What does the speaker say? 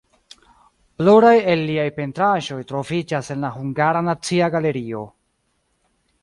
Pluraj el liaj pentraĵoj troviĝas en la Hungara Nacia Galerio.